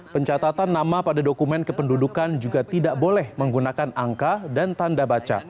pencatatan nama pada dokumen kependudukan juga tidak boleh menggunakan angka dan tanda baca